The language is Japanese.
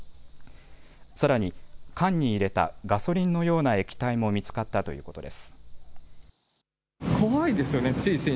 さらに、缶に入れたガソリンのような液体も見つかったということです。